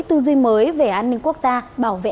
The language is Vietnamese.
tư duy mới về an ninh quốc gia bảo vệ